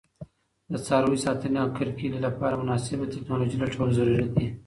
د څاروي ساتنې او کرکیلې لپاره مناسبه تکنالوژي لټول ضروري دي.